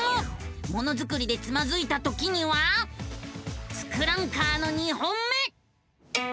ものづくりでつまずいたときには「ツクランカー」の２本目！